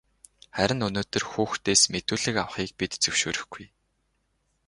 Харин өнөөдөр хүүхдээс мэдүүлэг авахыг бид зөвшөөрөхгүй.